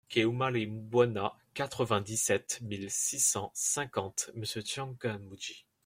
CHE OUMARI BOINA, quatre-vingt-dix-sept mille six cent cinquante M'Tsangamouji